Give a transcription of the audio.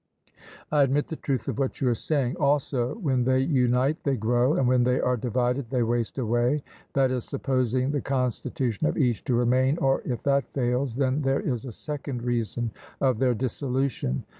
'I admit the truth of what you are saying.' Also when they unite they grow, and when they are divided they waste away that is, supposing the constitution of each to remain, or if that fails, then there is a second reason of their dissolution.